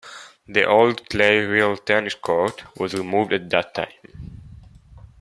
The old clay real tennis court was removed at that time.